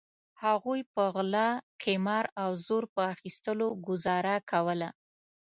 هغوی په غلا قمار او زور په اخیستلو ګوزاره کوله.